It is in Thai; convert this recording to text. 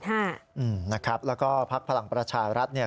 นะครับแล้วก็ภักดิ์ฝรั่งประชารัฐเนี่ย